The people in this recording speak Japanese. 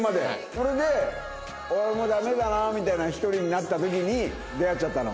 それで俺もうダメだなみたいな１人になった時に出会っちゃったの？